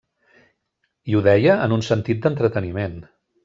I ho deia en un sentit d'entreteniment.